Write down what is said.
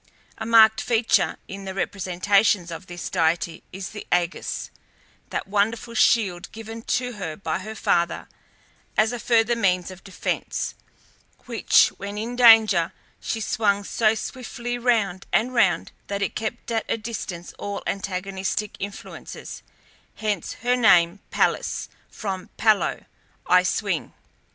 A marked feature in the representations of this deity is the ægis, that wonderful shield given to her by her father as a further means of defence, which, when in danger, she swung so swiftly round and round that it kept at a distance all antagonistic influences; hence her name Pallas, from pallo, I swing.